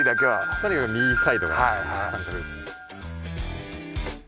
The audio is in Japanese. とにかく右サイドって感覚ですね。